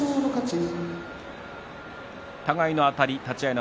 互いのあたり立ち合いの